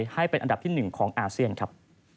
ให้เป็นอันดับที่๑ของอาเซียนครับ